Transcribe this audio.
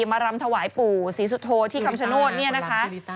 มารำถวายปู่ศรีสุโธที่คำชโนธเนี่ยนะคะ